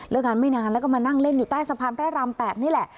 งานไม่นานแล้วก็มานั่งเล่นอยู่ใต้สะพานพระราม๘นี่แหละ